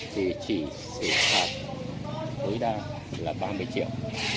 thì chỉ xử phạt tối đa là ba mươi triệu